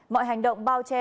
mọi hành động bao che